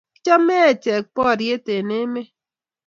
Kichame echek boriet en emet